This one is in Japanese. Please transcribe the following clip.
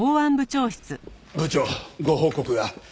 部長ご報告が。